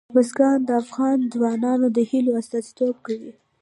بزګان د افغان ځوانانو د هیلو استازیتوب کوي.